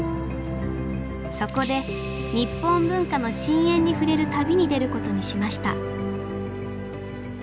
そこで「日本文化の深淵にふれる旅」に出ることにしました